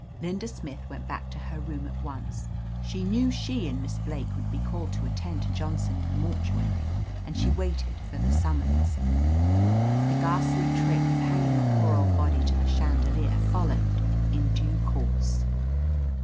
"Linda Smith went back to her room at once. She knew she Viid Miss Blake would be called to attend to Johnson in the mortuary, and she waited for the summons. The ghastly trick of hanging the poor old body to the chandelier followed in due course.